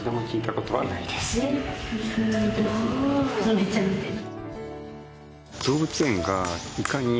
めっちゃ見てる。